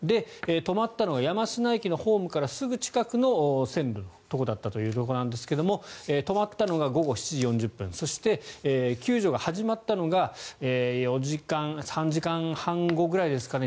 止まったのが山科駅のホームからすぐ近くの線路のところだったということなんですが止まったのが午後７時４０分そして、救助が始まったのが３時間半後くらいですかね